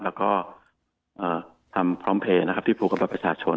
แล้วก็ทำพร้อมเพลย์นะครับที่ผูกกับบัตรประชาชน